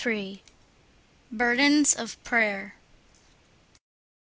XXIII. BURDENS OF PRAYER.